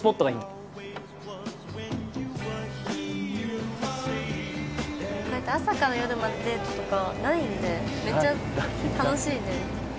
こうやって朝から夜までデートとかないんでめっちゃ楽しいね。